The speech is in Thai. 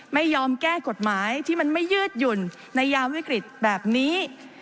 ไม่ยอมแก้กฎหมายที่มันไม่ยืดหยุ่นในยามวิกฤตแบบนี้